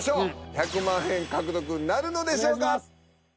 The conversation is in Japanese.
１００万円獲得なるのでしょうか？